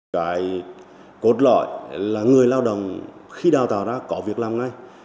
cái cốt lõi là người lao động khi đào tạo ra có việc làm ngay